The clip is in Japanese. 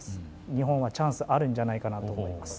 日本はチャンスあるんじゃないかと思います。